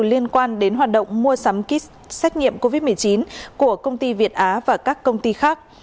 liên quan đến hoạt động mua sắm kit xét nghiệm covid một mươi chín của công ty việt á và các công ty khác